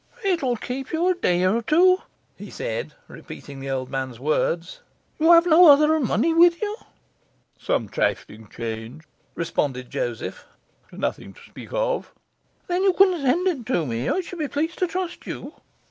'It will keep you a day or two?' he said, repeating the old man's words. 'You have no other money with you?' 'Some trifling change,' responded Joseph. 'Nothing to speak of.' 'Then you can send it me; I should be pleased to trust you.